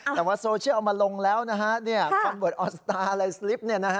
แต่ว่าโซเชียลเอามาลงแล้วนะฮะคำบทออนสตาร์อะไรสลิปเนี่ยนะฮะ